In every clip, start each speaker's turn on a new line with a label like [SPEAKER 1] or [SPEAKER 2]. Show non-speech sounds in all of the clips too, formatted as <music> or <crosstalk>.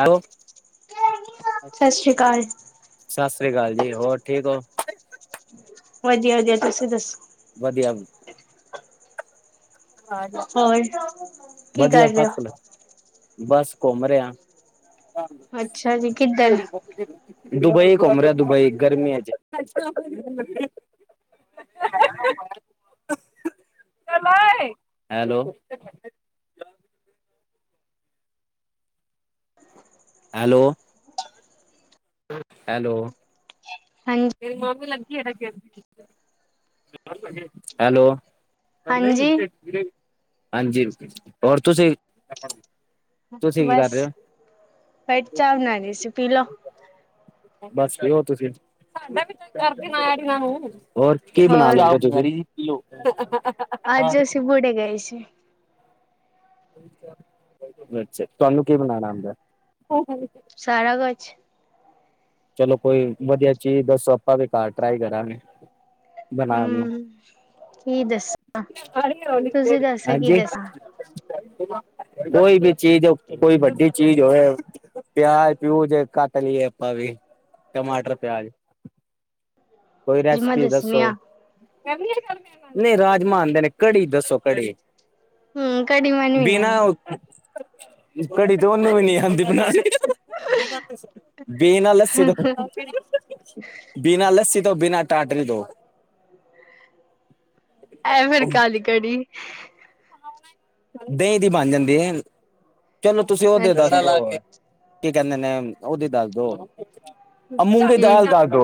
[SPEAKER 1] Hello,
[SPEAKER 2] ਸਤਿ ਸ੍ਰੀ ਅਕਾਲ
[SPEAKER 1] ਸਤਿ ਸ੍ਰੀ ਅਕਾਲ ਜੀ, ਹੋਰ ਠੀਕ ਐ?
[SPEAKER 2] ਵਧੀਆ-ਵਧੀਆ, ਤੁਸੀਂ ਦੱਸੋ?
[SPEAKER 1] ਵਧੀਆ। ਹਾਂਜੀ ਹਾਂ,
[SPEAKER 2] ਹੋਰ ਕੀ
[SPEAKER 1] ਵਧੀਆ
[SPEAKER 2] ਕਰ ਰਹੇ
[SPEAKER 1] ਆਪਾਂ <unintelligible> ਬਸ ਘੁੰਮ ਰੇ ਆ। ਹਾਂਜੀ
[SPEAKER 2] ਹੋ ਅੱਛਾ ਜੀ ਕਿੱਧਰ
[SPEAKER 1] <unintelligible> ਦੁਬਈ ਘੁੰਮ ਰਿਆ, ਦੁਬਈ ਗਰਮੀ ਚ। Hello hello? ਹੈਲੋ?
[SPEAKER 2] ਹਾਂਜ
[SPEAKER 1] ਹੈਲੋ?
[SPEAKER 2] ਹਾਂਜੀ
[SPEAKER 1] ਹਾਂਜੀ, ਹੋਰ ਤੁਸੀ
[SPEAKER 2] ਬਸ ਫਟ ਚਾਹ ਬਣਾ ਰਹੀ ਸੀ ਪੀਲੋ
[SPEAKER 1] ਬਸ ਪੀਓ ਤੁਸੀਂ <inaudible>
[SPEAKER 2] ਹੋਰ ਬੁੜੀਏ ਗਏ ਸੀ
[SPEAKER 1] ਅੱਛਾ ਤੁਹਾਨੂੰ ਕੀ ਬਣਾਣਾ ਆਂਦਾ ਏ
[SPEAKER 2] ਸਾਰਾ ਕੁਛ
[SPEAKER 1] ਚਲੋ ਕੋਈ ਵਧੀਆ ਚੀਜ਼ ਦੱਸੋ ਆਪਾਂ ਵੀ ਘਰ ਟਰਾਈ ਕਰਾਂਗੇ ਬਣਾਨ ਨੂੰ
[SPEAKER 2] ਹਮ ਕੀ ਦੱਸ ਤੁਸੀਂ ਦੱਸੋ ਕੀ
[SPEAKER 1] ਹਾਂਜੀ
[SPEAKER 2] ਦੱਸਾਂ
[SPEAKER 1] ਕੋਈ ਵੀ ਚੀਜ਼ ਕੋਈ ਵੱਡੀ ਚੀਜ਼ ਹੋਵੇ ਪਿਆਜ ਪਿਊਜ ਜ ਕਟ ਲੀਏ ਆ ਪਾ ਵੀ ਟਮਾਟਰ ਪਿਆਜ ਕੋਈ
[SPEAKER 2] ਅੱਜ ਮੈਂ
[SPEAKER 1] ਰੈਸਪੀ
[SPEAKER 2] ਦੱਸਣੀ
[SPEAKER 1] ਦੱਸੋ
[SPEAKER 2] ਆ
[SPEAKER 1] ਨਹੀਂ ਰਾਜਮਾਂ ਆਂਦੇ ਨੇ ਕੜੀ ਦੱਸੋ ਕੜੀ
[SPEAKER 2] ਹਮ ਕੜੀ ਮੈਨੂੰ ਵੀ ਨੀ
[SPEAKER 1] ਬਿਨਾਂ
[SPEAKER 2] ਆਉਂਦੀ
[SPEAKER 1] ਕੜੀ ਤੇ ਓਨੇ ਵੀ ਨਹੀਂ ਆਂਦੀ ਬਣਾ ਨੀ ਬਿਨਾ ਲਸੀ ਤੋਂ ਬਿਨਾਂ ਲੱਸੀ ਤੋਂ ਬਿਨਾਂ ਟਾਟਰੀ ਤੋਂ
[SPEAKER 2] ਐ ਫੇਰ
[SPEAKER 1] ਉਹ
[SPEAKER 2] ਕਾਦੀ ਕੜੀ
[SPEAKER 1] ਦਹੀਂ ਦੀ ਬਣ ਜਾਂਦੀ ਹੈ ਚਲੋ ਤੁਸੀਂ ਉਹਦੇ ਦੱਸ
[SPEAKER 2] ਅੱਛਾ
[SPEAKER 1] ਲ ਕੀ ਕਹਿੰਦੇ ਨੇ ਉਹਦੀ ਦੱਸ ਦੋ ਅ ਮੂੰਗੀ
[SPEAKER 2] ਕੀ
[SPEAKER 1] ਦਾਲ ਦਸ ਦ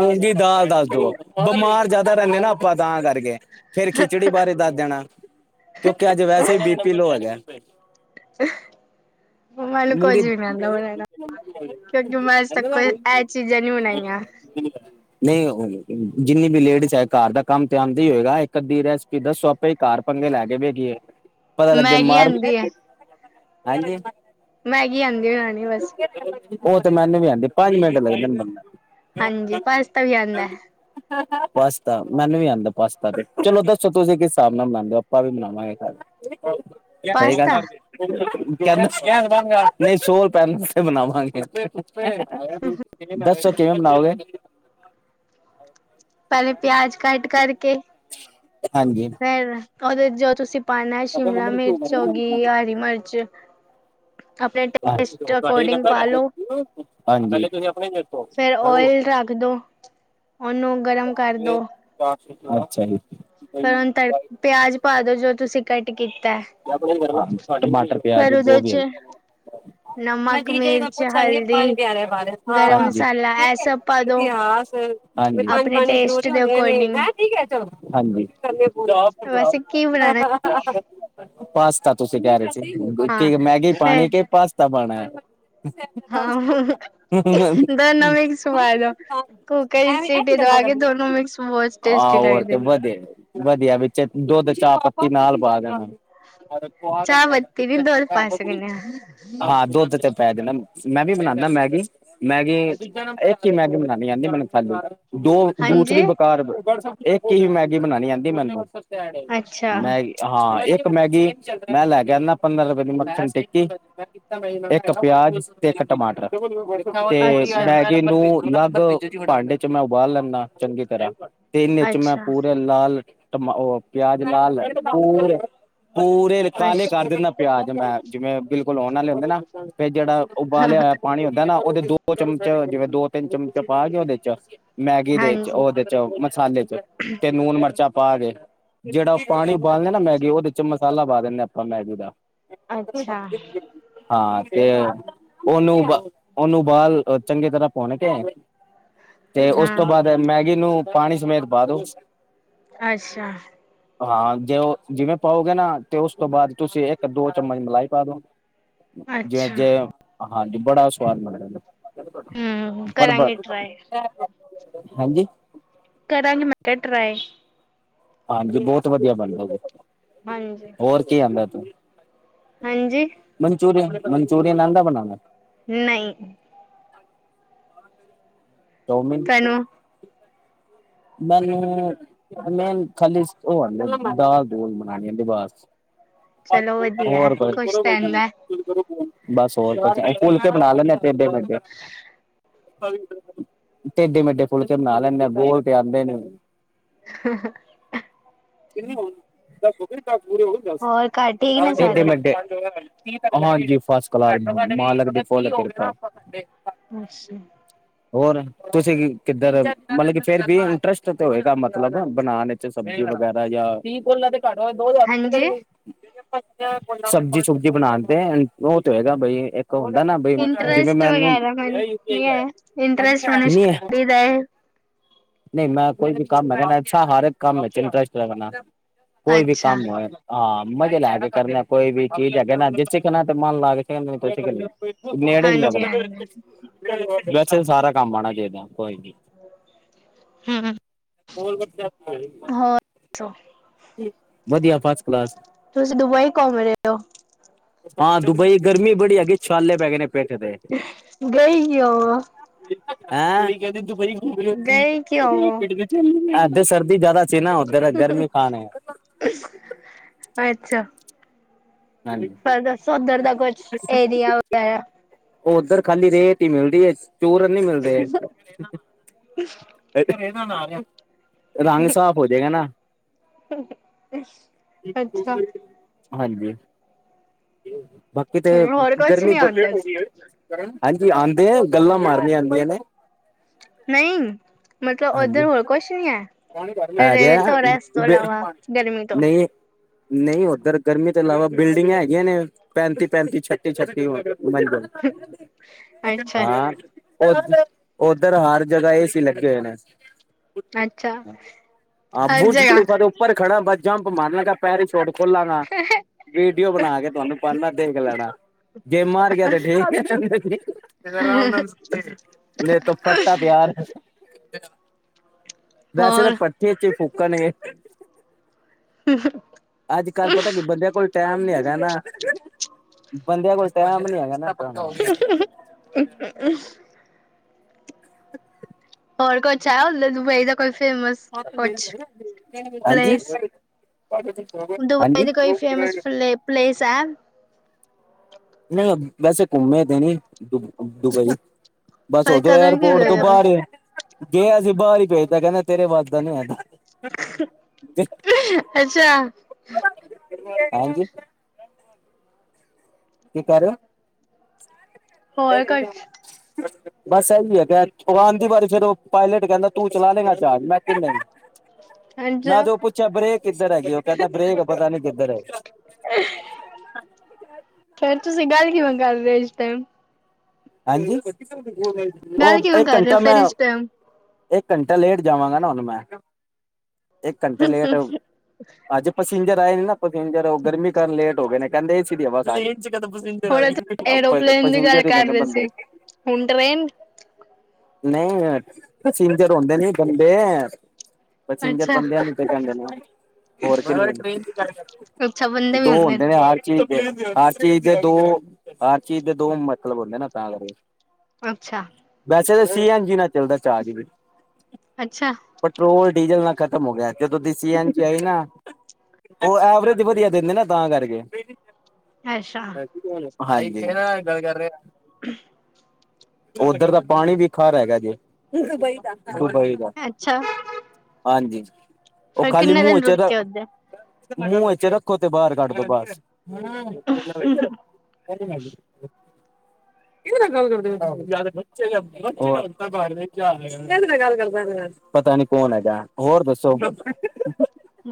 [SPEAKER 1] ਮੂੰਗੀ ਦਾਲ ਦੱਸ ਦੋ ਬਿਮਾਰ ਜ਼ਿਆਦਾ ਰਹਿੰਦੇ ਨਾ ਆਪਾਂ ਤਾਂ ਕਰਕੇ ਫਿਰ ਖਿਚੜੀ ਬਾਰੇ ਦੱਸ ਦੇਣਾ ਕਿਉਂਕਿ ਅੱਜ ਵੈਸੇ ਵੀ ਬੀਪੀ ਲੋ ਹੈਗਾ ਏ
[SPEAKER 2] ਹਮ ਮੈਨੂੰ ਕੁੱਝ
[SPEAKER 1] ਮੂੰਗੀ
[SPEAKER 2] ਵੀ ਨੀ ਆਉਂਦਾ ਬਣਾਣਾ ਕਿਉਂਕਿ ਮੈਂ ਅੱਜ ਤੱਕ ਕੋਈ ਇਹ ਚੀਜ਼ਾਂ ਨੀ ਬਣਾਈਆਂ
[SPEAKER 1] ਹ ਨਹੀਂ ਜਿੰਨੀ ਵੀ ਲੇਡੀਜ਼ ਹੈ ਘਰ ਦਾ ਕੰਮ ਤੇ ਆਂਦਾ ਹੀ ਹੋਏਗਾ ਇੱਕ ਅੱਧੀ ਰੈਸਪੀ ਦੱਸੋ ਆਪਾਂ ਹੀ ਘਰ ਪੰਗੇ ਲੈ ਕੇ ਵੇਖੀਏ ਪਤਾ ਲੱਗੇ
[SPEAKER 2] ਮੈਗੀ
[SPEAKER 1] ਮਾਰ ਵੀ
[SPEAKER 2] ਆਉਂਦੀ ਹੈ
[SPEAKER 1] ਹਾਂਜੀ
[SPEAKER 2] ਮੈਗੀ ਆਂਦੀ ਬਣਾਣੀ ਬਸ
[SPEAKER 1] ਉਹ ਤੇ ਮੈਨੂੰ ਵੀ ਆਂਦੀ ਪੰਜ ਮਿੰਟ ਲੱਗਦੇ ਨੇ ਬਣਦੇ
[SPEAKER 2] ਹਾਂਜੀ ਪਾਸਤਾ ਵੀ ਆਂਦਾ ਹੈ
[SPEAKER 1] ਪਾਸਤਾ ਮੈਨੂੰ ਵੀ ਆਂਦਾ ਪਾਸਤਾ ਤੇ ਚਲੋ ਦੱਸੋ ਤੁਸੀਂ ਕਿਸ ਹਿਸਾਬ ਨਾਲ ਬਨਾਂਦੇ ਹੋ ਆਪਾਂ ਵੀ ਬਨਾਵਾਂਗੇ ਘਰ ਸਹੀ
[SPEAKER 2] ਪਾਸਤਾ
[SPEAKER 1] ਗੱਲ ਕਹਿ ਨਹੀਂ ਸੋ ਪੈਨ ਸੇ ਬਣਾਵਾਂਗੇ ਦੱਸੋ ਕਿਵੇਂ ਬਣਾਓਗੇ <inaudible>
[SPEAKER 2] ਪੈਲੇ ਪਿਆਜ ਕੱਟ ਕਰਕੇ
[SPEAKER 1] ਹਾਂਜੀ
[SPEAKER 2] ਫੇਰ ਉਹਦੇ ਜੋ ਤੁਸੀਂ ਪਾਣਾ ਏ ਸ਼ਿਮਲਾ ਮਿਰਚ ਹੋ ਗਈ ਯਾ ਹਰੀ ਮਿਰਚ ਆਪਣੇ ਟੇਸਟ ਦੇ ਅਕੋਰਡਿੰਗ ਪਾਲੋ
[SPEAKER 1] ਹਾਂਜੀ ਪੈਲੇ ਤੁਸੀਂ ਆਪਣੇ
[SPEAKER 2] ਫੇਰ ਓਇਲ ਰੱਖ ਦੋ ਓਨੂੰ ਗਰਮ ਕਰਦੋ
[SPEAKER 1] ਅੱਛਾ ਜੀ
[SPEAKER 2] ਫਿਰ ਹੁਣ ਤੜ ਪਿਆਜ ਪਾ ਦੋ ਜੋ ਤੁਸੀਂ ਕੱਟ ਕੀਤਾ ਏ
[SPEAKER 1] ਟਮਾਟਰ ਪਿਆਜ ਜੋਬੀ ਹੈ
[SPEAKER 2] ਚ
[SPEAKER 1] ਮੈਂ
[SPEAKER 2] ਨਮਕ
[SPEAKER 1] ਜੀਜਾ ਜੀ ਨੂੰ ਮੈਂ
[SPEAKER 2] ਮਿਰਚ
[SPEAKER 1] ਪੁੱਛਾਂਗੀ ਪੰਜ
[SPEAKER 2] ਹਲਦੀ
[SPEAKER 1] ਪਿਆਰਿਆਂ ਬਾਰੇ ਹਾ ਹਾ
[SPEAKER 2] ਗਰਮ ਮਸਾਲਾ
[SPEAKER 1] ਠੀਕ
[SPEAKER 2] ਇਹ
[SPEAKER 1] ਹੈ
[SPEAKER 2] ਸਭ ਪਾ ਦੋ
[SPEAKER 1] ਇਤਿਹਾਸ ਹਾਂਜੀ ਬਈ ਪੰਜ
[SPEAKER 2] ਆਪਣੇ
[SPEAKER 1] ਬਾਣੀਆ
[SPEAKER 2] ਟੇਸਟ
[SPEAKER 1] ਜ਼ਰੂਰੀ
[SPEAKER 2] ਦੇ
[SPEAKER 1] ਹੁੰਦੀਆਂ ਨੇ
[SPEAKER 2] ਅਕੋਰਡਿੰਗ
[SPEAKER 1] ਹੈ ਠੀਕ ਹੈ
[SPEAKER 2] ਵੈਸੇ ਕੀ ਬਣਾਣਾ
[SPEAKER 1] <inaudible> ਪਾਸਤਾ ਤੁਸੀਂ ਕਹਿ ਰਹੇ ਸੀ
[SPEAKER 2] ਹਾਂ
[SPEAKER 1] ਕਿ ਮੈਗੀ
[SPEAKER 2] ਫੇਰ
[SPEAKER 1] ਪਾਣੀ ਕਿ ਪਾਸਤਾ ਪਾਣਾ <unintelligible> ਐਵੇਂ ਐਹ ਕੀ ਗੱਲਾਂ ਕਰਨੀਆਂ, ਹਾ ਔ ਅੱਗੇ ਵਧੇ। ਵਧੀਆਂ ਵਿੱਚੇ ਦੁੱਧ ਚਾਹ ਪੱਤੀ ਨਾਲ਼ ਪਾ ਦੇਣਾਂ। ਹਾਂ ਦੁੱਧ ਤੇ ਪੱ ਪੈ ਦੇਣਾ, ਮੈਂ ਵੀ ਬਣਾਉਦਾ ਮੈਗੀ -ਮੈਗੀ ਇੱਕ ਹੀ ਮੈਗੀ ਬਣਾਣੀ ਆਂਦੀ ਮੈਨੂੰ ਖਾਲੀ। ਦੋ ਜੂਥ ਦੀ ਬੁਕਾਰ, ਇੱਕ ਹੀ ਮੈਗੀ ਬਣਾਣੀ ਆਂਦੀ ਮੈਂਨੂੰ। ਮੈਂਗੀ ਹਾਂ ਇੱਕ ਇੱਕ ਮੈਗੀ ਮੈਂ ਲ਼ੈ ਕੇ ਆਂਦਾ ਪੰਦਰਾਂ ਰੁਪਏ ਦੀ ਮੱਖਣ ਟਿੱਕੀ। ਇੱਕ ਪਿਆਜ਼ ਤਿੰਨ ਟਮਾਟਰ ਤੇ ਮੈਗੀ ਨੂੰ। ਅਲੱਗ ਭਾਂਡੇ ਚ ਮੈਂ ਉਬਾਲ ਲੈਂਦਾ ਚੰਗੀ ਤਰ੍ਹਾਂ, ਤੇ ਇਹਨੇ ਚ ਮੈਂ ਪੂਰੇ। ਨਾਲ਼ ਟਮ ਉਹ ਪਿਆਜ਼ ਪਾ ਲੈਨਾਂ ਪੂਰ ਪੂਰੇ ਕਾਲੇ ਕਰ ਦਿੰਦਾਂ ਪਿਆਜ ਮੈਂ ਜਿਵੇਂ ਬਿਲਕੁਲ ਹੁਣ ਵਾਲੇ ਹੁੰਦੇ ਨਾ ਤੇ ਜਿਹੜਾਂ ਉਬਾਲਿਆ ਹੋਇਆਂ ਪਾਣੀ ਹੁੰਦਾ ਦਾ ਨਾ ਉਹਦੇ ਦੋ ਕੁ ਚਮਚ ਜਿਵੇਂ ਦੋ ਤਿੰਨ ਚਮਚ ਪਾ ਕੇ ਉਹਦੇ ਚ ਮੈਗੀ ਦੇ ਵਿੱਚ ਉਹਦੇ। ਚ ਮਸਾਲੇ ਚ ਤੇ ਨੂਨ ਮਰਚਾ ਪਾ ਕੇ ਜਿਹੜਾਂ ਉਹ ਪਾਣੀ ਉਬਾਲੇ ਨਾ ਮੈਗੀ ਉਹਦੇ ਚ ਚ ਮਸਾਲਾ ਪਾ ਦਿੰਦੇ ਆਪਾਂ ਮੈਗੀ ਦਾ।
[SPEAKER 2] ਅੱਛਾ
[SPEAKER 1] ਹਾਂ ਤੇ ਉਹਨੂੰ ਨੂੰ ਬਾਲ ਚੰਗੀ ਤਰ੍ਹਾਂ ਪੁਣ ਕੇ। ਤੇ ਉਸ
[SPEAKER 2] ਹਾਂ
[SPEAKER 1] ਤੋਂ ਬਾਅਦ ਮੈਗੀ ਨੂੰ ਪਾਣੀ ਸਮੇਤ ਪਾਦੋ।
[SPEAKER 2] ਅੱਛਾ।
[SPEAKER 1] ਹਾਂ ਜਿਉ ਉਹ ਜਿਵੇਂ ਪਾਓਗੇ ਨਾ ਤੇ ਉਸ ਤੋਂ ਬਾਅਦ ਤੁਸੀਂ ਇੱਕ ਦੋ ਚਮਚ ਮਲਾਈ ਪਾਦੋ। ਜਿਵੇਂ
[SPEAKER 2] ਅੱਛਾ
[SPEAKER 1] ਜੇ ਹਾਂਜੀ ਬੜਾਂ ਸਵਾਦ ਬਣੇਂ
[SPEAKER 2] ਹੂੰ ਕਰਾਂਗੇ ਟਰਾਏ।
[SPEAKER 1] ਹਾਂਜੀ।
[SPEAKER 2] ਕਰਾਂਗੀ ਮੈਂ ਕਿਹਾ ਟਰਾਏ।
[SPEAKER 1] ਹਾਂਜੀ ਬਹੁਤ ਵਧੀਆ ਬਣਦਾ,
[SPEAKER 2] ਹਾਂਜੀ
[SPEAKER 1] ਹੋਰ ਕੀ ਆਂਦਾ ਤੁਹਾਂਨੂੰ
[SPEAKER 2] ਹਾਂਜੀ।
[SPEAKER 1] ਮਨਚੂੂਰੀਅਨ -ਮਨਚੂਰੀਅਨ ਆਂਦਾ ਬਣਾਣਾ।
[SPEAKER 2] ਨਹੀਂ।
[SPEAKER 1] ਚੋਮੀਨ।
[SPEAKER 2] ਤੁਹਾਨੂੰ
[SPEAKER 1] ਮੈਂਨੂੰ। ਮੇਨੂ ਖਾਲੀ ਉਹ ਆਂਦਾ ਦਾਲ਼ ਦੂਲ ਬਣਾਣੀ ਆਂਦੀ ਦੀ ਬਾਸ।
[SPEAKER 2] ਚਲੋ ਵਧੀਆ ਐ
[SPEAKER 1] ਹੋਰ ਬਾਈ।
[SPEAKER 2] ਖੁਸ਼ ਰਹਿੰਦਾ
[SPEAKER 1] ਬਸ ਹੋਰ ਫੁਲਕੇ ਬਣਾ ਲੈਣੇੇ ਟੇਡੇ ਮੇਢੇ। ਟਢੇ ਮੇਢੇ ਫ਼ੁਲਕੇ ਬਣਾ ਲੇਨੇ ਆ, ਗੋਲ ਤੇ ਆਂਦੇ ਨੀ ਮੈਨੂੰ
[SPEAKER 2] <inaudible> ਹੋਰ ਘਰ ਠੀਕ ਨੇ
[SPEAKER 1] ਟੇਢੇ
[SPEAKER 2] ਸਾਰੇ?
[SPEAKER 1] ਮੇਢੇ। ਹਾਂਜੀ ਫਸਟ ਕਲਾਸ ਮਾਲਕ ਦੀ ਫੁੱਲ ਕਿਰਪਾ।
[SPEAKER 2] ਅੱਛਾ।
[SPEAKER 1] ਹੋਰ। ਤੁਸੀਂ ਕਿੱਧਰ ਮਤਲਬ ਕਿ ਫੇਰ ਵੀ ਇੰਟਰਸਟ ਤੇ ਹੋਏਗਾ ਮਤਲਬ ਬਣਾਉਣ ਵਿੱਚ ਸਬਜ਼ੀ ਵਗ਼ੈਰਾ ਜਾਂ
[SPEAKER 2] ਹਾਂਜੀ
[SPEAKER 1] <unintelligible> ਸਬਜੀ ਸੁਬਜੀ ਬਣਾਉਣ ਤੇ ਉਹ ਤੇ ਹੋਏਗਾ ਬਈ। ਉਹ ਹੁੰਦਾ ਨਾ ਬਈ ਜਿਵੇਂ
[SPEAKER 2] ਇੰਟਰਸਟ
[SPEAKER 1] ਮੈਂਨੂੰ।
[SPEAKER 2] ਵਗੈਰਾ ਮੈਨੂੰ ਨੀ ਹੈ ਇੰਟਰਸਟ ਮੈਨੂੰ
[SPEAKER 1] ਨੀ ਐ।
[SPEAKER 2] ਸਟੱਡੀ ਦਾ ਹੈ।
[SPEAKER 1] ਨਹੀਂ ਮੈਂ ਕੋਈ ਵੀ ਕੰਮ ਹੈ ਕਹਿੰ ਅੱਛਾ ਹਰ ਇੱਕ ਕੰਮ ਇੰਟਰਸਟ ਲ, ਕੋਈ ਵੀ
[SPEAKER 2] ਅੱਛਾ
[SPEAKER 1] ਕੰਮ ਹੋ। ਹਾਂ। ਮਜ਼ੇ ਲੈ ਕੇ ਕਰਨਾ ਕੋਈ ਵੀ ਚੀਜ਼ ਹੈਗੇ ਨਾ ਜਿ ਸਿਖਣਾ ਤੇ ਮਨ ਲਾ ਕੇ ਨੇੜੇ ਵੀ
[SPEAKER 2] ਹਾਂਜੀ
[SPEAKER 1] ਲੱਗਣਾ।
[SPEAKER 2] ਹਾਂਜੀ
[SPEAKER 1] ਵੈਸੇ ਸਾਰਾ ਕੰਮ ਮਾੜਾ ਜੇ ਐਹਦਾ, ਕੋਈ ਨੀ।
[SPEAKER 2] ਹੂ
[SPEAKER 1] ਹੋਰ ਬੱਚਾ ਕਾਮੇਗੀ।
[SPEAKER 2] ਹਾਂ।
[SPEAKER 1] ਵਧੀਆ ਫਸਟ ਕਲਾਸ।
[SPEAKER 2] ਤੁਸੀਂ ਦੁਬਈ ਘੁਮ ਰਹੇ ਹੋ।
[SPEAKER 1] ਹਾਂ ਦੁਬਈ ਗਰਮੀ ਬੜੀ ਹੈਗੀ ਛਾਲੇ ਪੈ ਗਏ ਨੇ ਪੇਠੇ ਤੇ।
[SPEAKER 2] ਗਈ ਉਹ
[SPEAKER 1] ਹੈਂ ਕੁੜੀ ਕਹਿੰਦੀ ਦੁਬਈ
[SPEAKER 2] ਗਈ ਕਿਉਂ ਹੋ?
[SPEAKER 1] ਐਦੇ ਸਰਦੀ ਜ਼ਿਆਦਾ ਸੀ ਨਾ ਉੱਧਰ ਇਹ ਗਰਮੀ ਖਾਣੇ।
[SPEAKER 2] ਅੱਛਾ। ਵਿਚ
[SPEAKER 1] ਹਾਂਜੀ
[SPEAKER 2] ਪਰ ਬਸ ਉੱਧਰ ਦਾ ਕੁਛ ਏਰੀਆ ਵਗੈਰਾ
[SPEAKER 1] ਉਧਰ ਖਾਲੀ ਰੇਤ ਹੀ ਮਿਲਦੀ ਏ, ਚੂਰਨ ਨੀ ਮਿਲਦੇ। ਇਹ ਤੇ ਇਹਨਾਂ ਨਾਲ ਐ। ਰੰਗ ਸਾਫ ਹੋ ਜਾਏਗਾ ਨਾ।
[SPEAKER 2] ਅੱਛਾ।
[SPEAKER 1] ਹਾਂਜੀ। ਬਾਕੀ ਤੇ
[SPEAKER 2] ਹੋਰ ਕੁਛ
[SPEAKER 1] ਗਰਮੀ
[SPEAKER 2] ਨੀ
[SPEAKER 1] ਬ
[SPEAKER 2] ਉੱਧਰ
[SPEAKER 1] ਹਾਂਜੀ, ਆਂਦੀ ਏ ਗੱਲਾਂ ਮਾਰਨੀਆਂ ਆਂਦੀਆਂ ਨੇ।
[SPEAKER 2] ਨਹੀਂ, ਮਤਲਬ ਉੱਧਰ ਹੋਰ ਕੁਛ ਨੀ ਹੈ।
[SPEAKER 1] ਹੈ ਗਿਆ।
[SPEAKER 2] ਰੇਤ ਤੋਂ ਰੈਸ ਤੋਂ
[SPEAKER 1] ਬ
[SPEAKER 2] ਇਲਾਵਾ ਗਰਮੀ ਤੋਂ
[SPEAKER 1] ਨਹੀਂ ਨਹੀਂ ਉੱਧਰ ਗਰਮੀ ਤੋਂ ਇਲਾਵਾ ਬਿਲਡਿੰਗਾਂ ਹੈ ਯ ਨੇ ਪੈਂਤੀ- ਪੈਂਤੀ, ਛੱਟੀ- ਛੱਟੀ ਉਮਜ।
[SPEAKER 2] ਅੱਛਾ
[SPEAKER 1] ਹਾਂ। ਉ, ਉੱਧਰ ਹਰ ਜਗ੍ਹਾ ਏਸੀ ਲੱਗੇ ਹੋਏ ਨੇ।
[SPEAKER 2] ਅੱਛਾ
[SPEAKER 1] ਆ
[SPEAKER 2] ਹਰ
[SPEAKER 1] ਬੁਰਜ
[SPEAKER 2] ਜਗ੍ਹਾ
[SPEAKER 1] ਖਲੀਫਾ ਤੋਂ ਉੱਪਰ ਖੜਾ ਬ ਜੰਪ ਮਾਰ ਲਾਂਗਾ ਪੈਰ ਛੋਟ ਖੋਲਾਂਗਾ, ਵੀਡੀਓ ਬਣਾ ਤੁਹਾਨੂੰ ਪੜ੍ਹਨਾ ਦੇਖ ਲੈਣਾ। ਜੇ ਮਾਰ ਗਿਆ ਤੇ ਠੀਕ, ਨੀ ਤੇ ਰਾਮ- ਨਾਮ ਸ ਇਕ ਤਰਫਾ ਪਿਆਰ। ਵੈਸੇ ਤਾਂ
[SPEAKER 2] ਹੋਰ
[SPEAKER 1] ਫ ਚੇਚੇ ਫੂਕਣ ਗੇ। ਅੱਜ ਕੱਲ ਪਤਾ ਕੀ ਬੰਦਿਆਂ ਕੋਲ ਟੈਮ ਨੀ ਹੈਗਾ ਨਾ। ਬੰਦਿਆਂ ਕੋਲ ਟੈਮ ਨੀ ਹੈਗਾ ਨਾ।
[SPEAKER 2] <unintelligible> ਹੋਰ ਕੁਛ ਹੈ ਉਲੇ ਦੁਬਈ ਦਾ ਕੋਈ ਫੇਮਸ। ਕੁਛ
[SPEAKER 1] ਹਾਂਜੀ
[SPEAKER 2] ਪਲੇਸ
[SPEAKER 1] <unintelligible>
[SPEAKER 2] ਦੁਬਈ
[SPEAKER 1] ਹਾਂਜੀ
[SPEAKER 2] ਦੀ ਕੋਈ ਫੇਮਸ ਫਲੇ ਪਲੇਸ ਹੈ।
[SPEAKER 1] ਨਹੀਂ, ਵੈਸੇ ਘੁੰਮੇ ਤੇ ਨੀ ਦੁਬਈ। ਬਸ
[SPEAKER 2] ਪਰ
[SPEAKER 1] ਉਦੋਂ
[SPEAKER 2] ਕਰਨ ਕੀ
[SPEAKER 1] ਏਅਰਪੋਰਟ
[SPEAKER 2] ਗਏ
[SPEAKER 1] ਤੋਂ
[SPEAKER 2] ਯਾਰ
[SPEAKER 1] ਬਾਹਰ, ਗਿਆ ਸੀ ਬਾਹਰ ਹੀ ਭੇਜਤਾ ਕਹਿੰਦਾ ਤੇਰੇ ਵੱਜ ਦਾ ਨੀ ਹੈਗਾ।
[SPEAKER 2] ਅੱਛਾ।
[SPEAKER 1] ਹਾਂਜੀ। ਕੀ ਕਹਿ ਰਹੇ
[SPEAKER 2] ਹੋਰ
[SPEAKER 1] ਹੋ?
[SPEAKER 2] <unintelligible>
[SPEAKER 1] ਬਸ ਇਹੀ ਹੈਗਾ ਉਹ ਆਂਦੀ ਵਾਰੀ ਜਦੋਂ ਪਾਇਲਟ ਕਹਿੰਦਾ ਤੂੰ ਚਲਾ ਲੇਂਗਾ ਜਹਾਜ, ਮੈਂ ਕਿਹਾ ਨਹੀਂ। ਮੈਂ
[SPEAKER 2] ਅੱਛਾ
[SPEAKER 1] ਤੇ ਉਹ ਪੁੱਛਿਆ ਬ੍ਰੇਕ ਕਿੱਧਰ ਹੈਗੀ ਉਹ ਕਹਿੰਦਾ ਬ੍ਰੇਕ ਪਤਾ ਨੀ ਕਿੱਧਰ ਹੈ।
[SPEAKER 2] ਫੇਰ ਤੁਸੀਂ ਗੱਲ ਕਿਵੇਂ ਕਰ ਰਹੇ ਹੋ ਇਸ ਟਾਈਮ?
[SPEAKER 1] ਹਾਂਜੀ,
[SPEAKER 2] ਗੱਲ
[SPEAKER 1] ਉਹ
[SPEAKER 2] ਕਿਵੇਂ
[SPEAKER 1] ਇੱਕ
[SPEAKER 2] ਕਰ ਰਹੇ ਹੋ
[SPEAKER 1] ਘੰਟਾ
[SPEAKER 2] ਫੇਰ
[SPEAKER 1] ਮੈਂ
[SPEAKER 2] ਇਸ ਟਾਈਮ
[SPEAKER 1] ਇੱਕ ਘੰਟਾ ਲੇਟ ਜਾਵਾਂਗਾ ਨਾ ਹੁਣ ਮੈਂ ਇੱਕ ਘੰਟੇ ਲੇਟ। ਅੱਜ ਪਸੀਂਜਰ ਆਏ ਨੇ ਨਾ ਪਸੀਂਜਰ ਉਹ ਗਰਮੀ ਕਾਰਨ ਲੇਟ ਹੋ ਗਏ ਨੇ ਕਹਿੰਦੇ ਏਸੀ ਦੀ ਹਵਾ ਖਾ
[SPEAKER 2] ਹੁਣ ਤੁਸੀਂ ਏਰੋਪਲੇਨ ਦੀ ਗੱਲ ਕਰ ਰਹੇ
[SPEAKER 1] <unintelligible>
[SPEAKER 2] ਹੁਣ ਟਰੇਨ
[SPEAKER 1] ਨਈ, ਪਸੀਂਜਰ ਹੁੰਦੇ ਨਈ ਬੰਦੇ? ਪਸੀਂਜਰ
[SPEAKER 2] ਅੱਛਾ
[SPEAKER 1] ਬੰਦਿਆਂ ਨੂੰ ਈ ਤੇ ਕਹੰਦੇ ਨੇ ਹੋਰ ਕਿਨੂੰ
[SPEAKER 2] ਅੱਛਾ। ਬੰਦੇ ਵੀ ਹੁੰਦੇ ਨ।
[SPEAKER 1] ਚੀਜ਼ ਦੇ ਹਰ ਚੀਜ਼ ਦੇ ਦੋ- ਹਰ ਚੀਜ਼ ਦੇ ਦੋ ਮਤਲਬ ਹੁੰਦੇ ਨਾ ਤਾਂ ਕਰ ਕੇ
[SPEAKER 2] ਅੱਛਾ।
[SPEAKER 1] ਵੈਸੇ ਤੇ ਸੀ ਐਨ ਜੀ ਨਾਲ ਚੱਲਦੈ ਚਾਜ ਵੀ।
[SPEAKER 2] ਅੱਛਾ।
[SPEAKER 1] ਪੈਟਰੋਲ ਡੀਜ਼ਲ ਨਾਲ ਖਤਮ ਹੋ ਗਐ, ਜਦੋਂ ਦੀ ਸੀ ਐਨ ਜੀ ਜਆਈ ਨਾ ਉਹ ਐਵਰੇ ਜੀ ਵਧੀਯਾ ਦੇਂਦੇ ਨਾ ਤਾਂ ਕਰਕੇ।
[SPEAKER 2] ਅੱਸ਼ਾ।
[SPEAKER 1] ਏ ਕਿਦੇ ਨਾਲ ਗੱਲ ਕਰ ਰੇ ਹਾ?
[SPEAKER 2] <unintelligible>
[SPEAKER 1] ਹੋਸਟਲ ਦਾ ਪਾਣੀ ਵੀ ਖਾਰਾ ਹੈਗਾ ਜੇ, ਹੰ ਦੁਬਈ ਦਾ। ਓਏ ਹਾਏ
[SPEAKER 2] ਏਛਾ।
[SPEAKER 1] ਹਾਂਜੀ, ਉਹ ਖਾਲੀ
[SPEAKER 2] ਕਿੰਨੇ
[SPEAKER 1] ਮੂੰਹ
[SPEAKER 2] ਦਿਨ
[SPEAKER 1] ਚ
[SPEAKER 2] ਰੁਕ
[SPEAKER 1] ਰ
[SPEAKER 2] ਕੇ ਉਧਰ
[SPEAKER 1] ਮੂੰਹ ਇਚ ਰੱਖੋ ਤੇ ਬਾਹਰ ਕੱਢ ਦੋ ਬਸ। ਚ <unintelligible> ਗ ਕਰ ਗੱਲ ਕਰਦਾ <inaudible> ਪਤਾ ਨੀ ਕੌਣ ਹੈਗੈ, ਹੋਰ ਦੱਸੋ?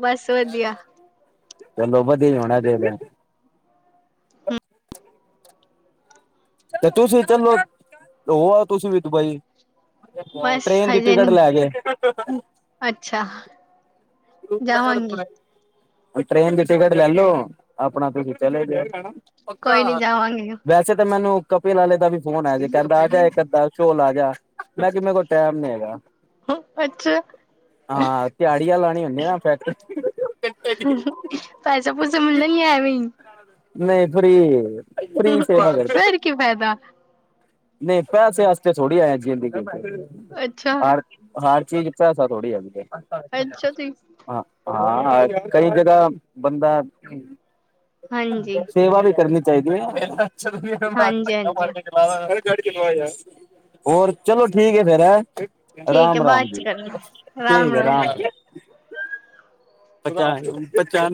[SPEAKER 2] ਬਸ ਵਧੀਆ
[SPEAKER 1] ਚੱਲ ਵਧੀ ਹੋਣਾ ਦਾ। <unintelligible> ਤੇ ਤੁਸੀ ਵੀ ਚਲੋ, ਤੇ ਹੋ ਆਉ ਤੁਸੀਂ ਵੀ ਦੁਬਈ।
[SPEAKER 2] ਬਸ
[SPEAKER 1] ਟ੍ਰੇਨ ਦੀ
[SPEAKER 2] ਹਜੇ
[SPEAKER 1] ਟਿਕਟ
[SPEAKER 2] ਨੀ
[SPEAKER 1] ਲੇ ਕੇ।
[SPEAKER 2] ਅੱਛਾ। ਜਾਵਾਂਗੀ
[SPEAKER 1] ਵਈ ਟ੍ਰੇਨ ਦੀ ਟਿਕਟ ਲੈਲੋ, ਆਪਣਾ ਤੁਸੀ ਚਲੇ ਜਾਉ।
[SPEAKER 2] ਕੋਈ ਨੀ
[SPEAKER 1] ਪੱਕਾ,
[SPEAKER 2] ਜਾਵਾਂਗੀ
[SPEAKER 1] ਵੈਸੇ ਤੇ ਮੈਨੂੰ ਕਪਿਲ ਆਲੇ ਦਾ ਵੀ ਫੋਨ ਆਯਾ ਸੀ, ਕਹੰਦਾ ਆਜਾ ਇੱਕ ਅੱਧਾ ਸ਼ੋ ਲਾ ਜਾ, ਮੈਂ ਕਿ ਮੇਰੇ ਕੋਲ ਟੈਮ ਨੀ ਹੈਗਾ।
[SPEAKER 2] ਅੱਛਾ
[SPEAKER 1] ਹਾਂ ਤਯਾੜੀਆਂ ਲਾਨੀ ਹੁੰਦੀ ਏ ਨਾ ਫੈਕਟਰੀ, ਫੈਕਟਰੀ।
[SPEAKER 2] ਪੈਸੇ- ਪੂਸੇ ਮਿਲਦੇ ਨੀ ਐਵੇਂ ਈ।
[SPEAKER 1] ਨਈ ਫਰੀ ਏ, ਫਰੀ ਸੇਵਾ ਕਰ
[SPEAKER 2] ਫੇਰ ਕੀ ਫਾਇਦਾ
[SPEAKER 1] ਨਹੀਂ ਪੈਸੇ ਵਾਸਤੇ ਥੋੜੀ ਆ ਜੀ ਦੀ
[SPEAKER 2] ਅੱਛਾ
[SPEAKER 1] <unintelligible> ਹਰ ਚੀਜ਼ ਪੈਸਾ ਥੋੜੀ ਹੈਗੀ।
[SPEAKER 2] ਅੱਛਾ ਜੀ।
[SPEAKER 1] ਹ ਹਾ- ਹਾ ਕਈ ਜਗਾ ਬੰਦਾ
[SPEAKER 2] ਹਾਂਜੀ
[SPEAKER 1] ਸੇਵਾ ਵੀ ਕਰਨੀ ਚਾਹੀਦੀ ਐ।
[SPEAKER 2] ਹਾਂਜੀ ਹਾਂਜੀ
[SPEAKER 1] ਹੋਰ ਚਲੋ ਠੀਕ ਏ ਫੇਰ ਐ।
[SPEAKER 2] ਠੀਕ ਹੈ
[SPEAKER 1] ਰਾਮ -ਰਾਮ
[SPEAKER 2] ਬਾਅਦ ਚ
[SPEAKER 1] ਜੀ।
[SPEAKER 2] ਕਰਨਾ
[SPEAKER 1] ਠੀਕ ਐ ਰਾਮ ਜ ਪਾ ਚਾ <inaudible>